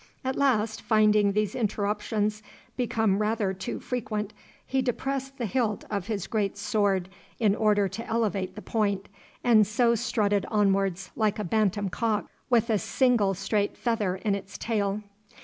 At last, finding these interruptions become rather too frequent, he depressed the hilt of his great sword in order to elevate the point, and so strutted onwards like a bantam cock with a tingle straight feather in its tail.